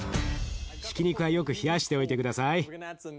ひき肉はよく冷やしておいて下さい。